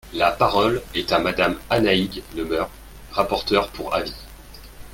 La parole est à Madame Annaïg Le Meur, rapporteure pour avis.